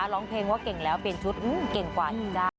ร้องเพลงว่าเก่งแล้วเปลี่ยนชุดเก่งกว่านะจ๊ะ